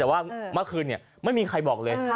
แต่ว่าเมื่อคืนไม่มีใครบอกเลย